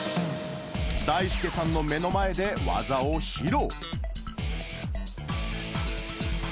だいすけさんの目の前で技を披露。